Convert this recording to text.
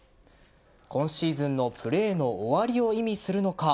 今シーズンのプレーの終わりを意味するのか。